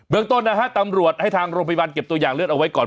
ต้นนะฮะตำรวจให้ทางโรงพยาบาลเก็บตัวอย่างเลือดเอาไว้ก่อน